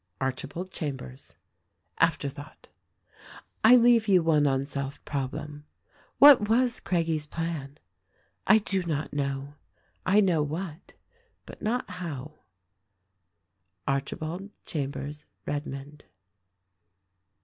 ARCHIBALD CHAMBERS. "Afterthought: "I leave you one unsolved problem. What was Craggie's plan ? I do not know. I know What, but not How. ARCHIBALD CHAMBERS REDMOND."